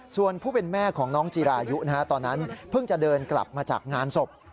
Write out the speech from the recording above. ส่วนผู้เป็นแม่ของน้องจีรายุตอนนั้นเพิ่งจะเดินกลับมาจากงานศพ